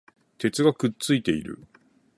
鉄がくっついている